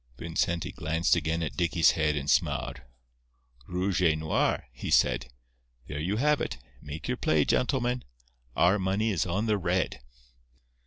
Vincenti glanced again at Dicky's head and smiled. "Rouge et noir," he said. "There you have it. Make your play, gentlemen. Our money is on the red."